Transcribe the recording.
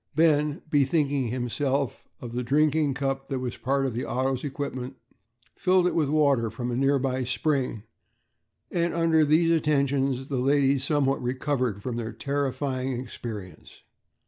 Ben, bethinking himself of the drinking cup that was part of the auto's equipment, filled it with water from a nearby spring, and under these attentions the ladies somewhat recovered from their terrifying experience.